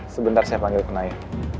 sebentar saya panggil naya